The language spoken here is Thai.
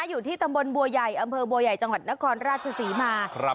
อยู่ที่ตำบลบัวใหญ่อำเภอบัวใหญ่จังหวัดนครราชศรีมา